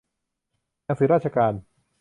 หนังสือราชการ